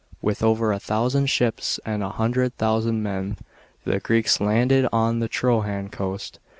With over a thousand ships and a hundred thousand men, the Greeks landed on the Trojan coast.